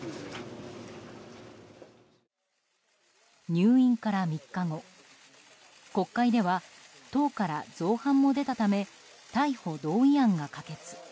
入院から３日後国会では党から造反も出たため逮捕同意案が可決。